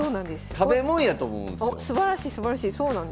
食べもんやと思うんですよ。